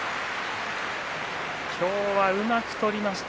今日はうまく取りました